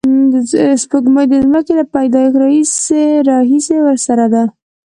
سپوږمۍ د ځمکې له پیدایښت راهیسې ورسره ده